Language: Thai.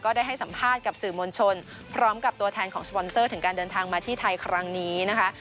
ได้ให้สัมภาษณ์กับสื่อมวลชนพร้อมกับตัวแทนของสปอนเซอร์ถึงการเดินทางมาที่ไทยครั้งนี้นะคะ